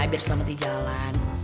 biar selamat di jalan